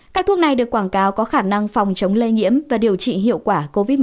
các thuốc này được quảng cáo có khả năng phòng chống lây nhiễm và điều trị hiệu quả covid một mươi chín